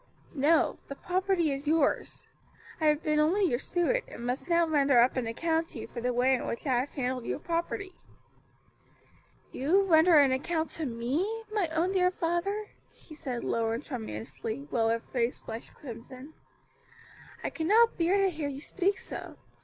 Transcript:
"No, the property is yours; I have been only your steward, and must now render up an account to you for the way in which I have handled your property." "You render an account to me, my own dear father," she said low and tremulously, while her face flushed crimson; "I cannot bear to hear you speak so.